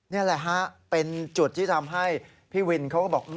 นี่แหละฮะเป็นจุดที่ทำให้พี่วินเขาก็บอก